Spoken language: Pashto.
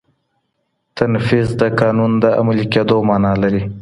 تنفیذ د قانون د عملي کیدو مانا لري.